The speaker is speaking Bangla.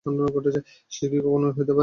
সে কি কখনো হইতে পারে?